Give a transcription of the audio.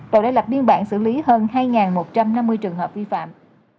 và đã lập biên bản xử lý hơn hai một trăm năm mươi trường hợp vi phạm